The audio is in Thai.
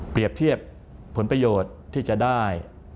เปรียบเทียบผลประโยชน์ที่จะได้